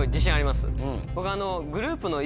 僕。